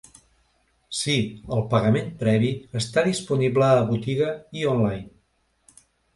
Sí, el pagament previ està disponible a botiga i online.